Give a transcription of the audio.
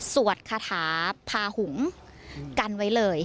คาถาพาหุงกันไว้เลย